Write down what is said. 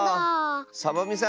サボみさん